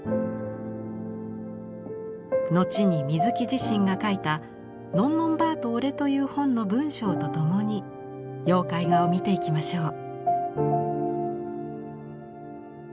後に水木自身が書いた「のんのんばあとオレ」という本の文章とともに妖怪画を見ていきましょう。